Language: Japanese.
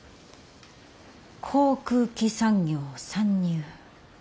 航空機産業参入。